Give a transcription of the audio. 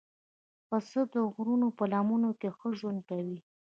پسه د غرونو په لمنو کې ښه ژوند کوي.